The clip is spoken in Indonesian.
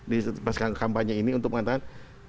di pasang kampanye ini untuk mengatakan